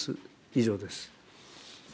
以上です。